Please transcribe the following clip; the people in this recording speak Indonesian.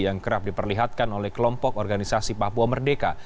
yang kerap diperlihatkan oleh kelompok organisasi papua merdeka